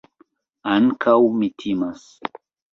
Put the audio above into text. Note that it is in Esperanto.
Ankaŭ mi timas.